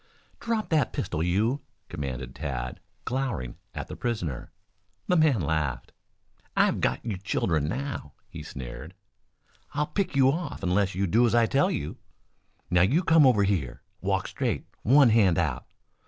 "Drop that pistol, you!" commanded Tad, glowering at the prisoner. The man laughed. "I've got you children now," he sneered. "I'll pick you off unless you do as I tell you. Now you come over here. Walk straight, one hand out.